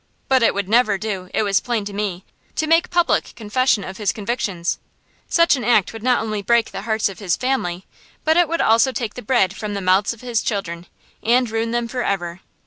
But it would never do, it was plain to me, to make public confession of his convictions. Such an act would not only break the hearts of his family, but it would also take the bread from the mouths of his children, and ruin them forever.